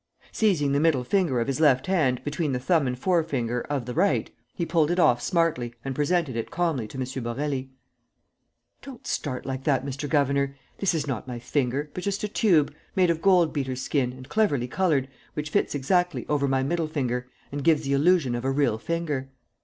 Seizing the middle finger of his left hand between the thumb and forefinger of the right, he pulled it off smartly and presented it calmly to M. Borély: "Don't start like that, Mr. Governor. This is not my finger, but just a tube, made of gold beater's skin and cleverly colored, which fits exactly over my middle finger and gives the illusion of a real finger."